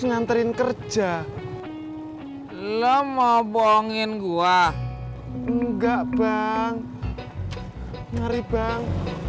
nginterin kerja lo mobongin gua enggak bang mari bang